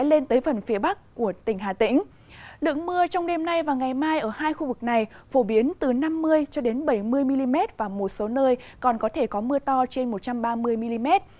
lượng mưa trong đêm nay và ngày mai ở hai khu vực này phổ biến từ năm mươi cho đến bảy mươi mm và một số nơi còn có thể có mưa to trên một trăm ba mươi mm